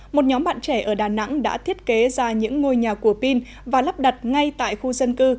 một nhóm bạn trẻ ở đà nẵng đã thiết kế ra những ngôi nhà của pin và lắp đặt ngay tại khu dân cư